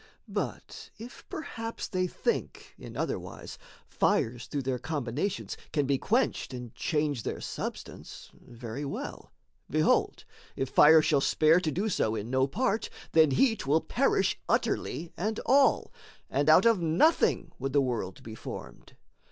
But if perhaps they think, in other wise, Fires through their combinations can be quenched And change their substance, very well: behold, If fire shall spare to do so in no part, Then heat will perish utterly and all, And out of nothing would the world be formed.